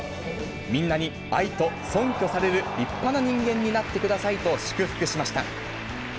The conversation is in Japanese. みんなに愛とそんきょされる立派な人間になってくださいと祝福しました。